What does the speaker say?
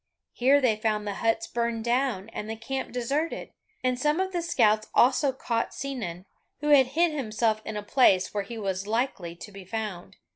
Here they found the huts burned down and the camp deserted, and some of the scouts also caught Sinon, who had hid himself in a place where he was likely to be found.